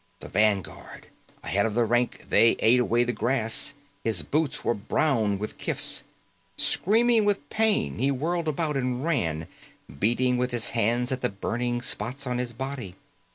The vanguard. Ahead of the rank that ate away the grass. His boots were brown with kifs. Screaming with pain, he whirled about and ran, beating with his hands at the burning spots on his body.